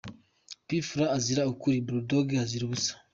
P Fla azira ukuri ,Bulldogg azira ubusa ,.